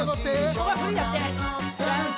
ここはフリーだって。